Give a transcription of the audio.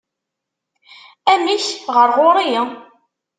Amek, ɣer ɣur-i?